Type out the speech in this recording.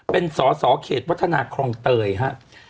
เป็นสอเขตวัฒนาครองเตยฮะ